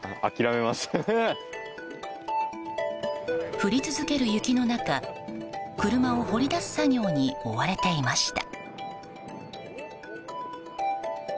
降り続ける雪の中車を掘り出す作業に追われていました。